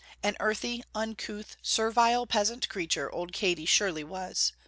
An earthy, uncouth, servile peasant creature old Katy surely was.